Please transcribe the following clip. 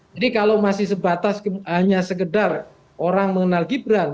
jadi kalau masih sebatas hanya sekedar orang mengenal gibran